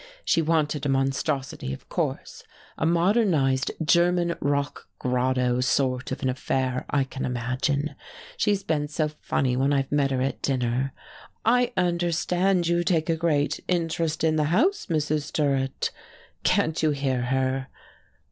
She wanted a monstrosity, of course, a modernized German rock grotto sort of an affair, I can imagine. She's been so funny when I've met her at dinner. 'I understand you take a great interest in the house, Mrs. Durrett.' Can't you hear her?"